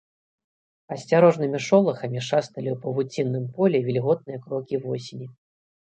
Асцярожнымі шолахамі шасталі ў павуцінным полі вільготныя крокі восені.